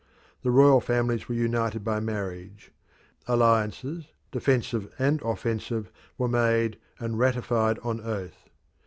The royal families were united by marriage; alliances, defensive and offensive, were made and ratified on oath.